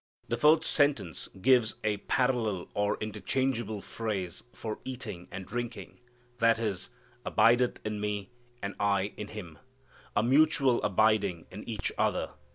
The fourth sentence gives a parallel or interchangeable phrase for eating and drinking, i.e., "abideth in me and I in Him." A mutual abiding in each other.